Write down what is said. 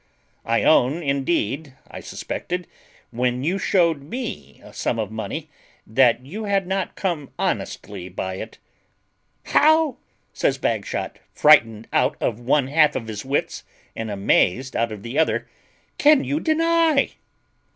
I own indeed I suspected, when you shewed me a sum of money, that you had not come honestly by it." "How!" says Bagshot, frightened out of one half of his wits, and amazed out of the other, "can you deny?"